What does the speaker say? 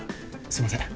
すいません